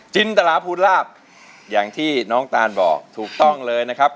จินตราภูลาภอย่างที่น้องตานบอกถูกต้องเลยนะครับ